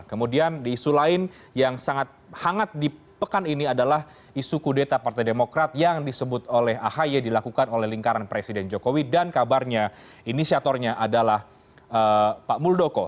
kemudian di isu lain yang sangat hangat di pekan ini adalah isu kudeta partai demokrat yang disebut oleh ahy dilakukan oleh lingkaran presiden jokowi dan kabarnya inisiatornya adalah pak muldoko